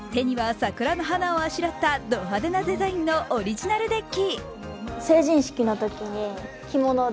手には桜の花をあしらったド派手なデザインのオリジナルデッキ。